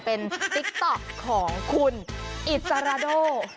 เป็นติ๊กต๊อกของคุณอิสราโด